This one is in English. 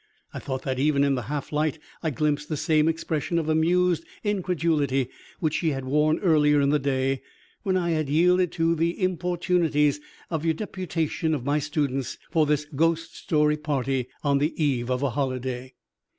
I thought that even in the half light I glimpsed the same expression of amused incredulity which she had worn earlier in the day when I had yielded to the importunities of a deputation of my students for this ghost story party on the eve of a holiday.